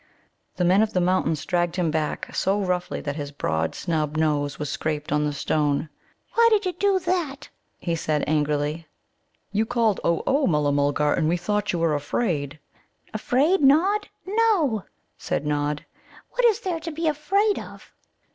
The Men of the Mountains dragged him back so roughly that his broad snub nose was scraped on the stone. "Why do you do that?" he said angrily. "You called 'O, O!' Mulla mulgar, and we thought you were afraid." "Afraid! Nod? No!" said Nod. "What is there to be afraid of?"